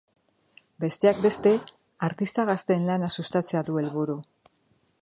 Besteak beste, artista gazteen lana sustatzea du helburu.